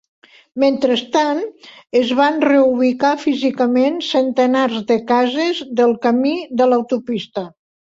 Mentrestant, es van reubicar físicament centenars de cases del camí de l'autopista.